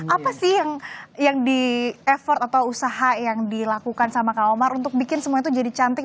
apa sih yang di effort atau usaha yang dilakukan sama kak omar untuk bikin semua itu jadi cantik